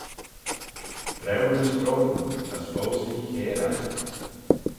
Briwnys hrome, as foast feer chairagh.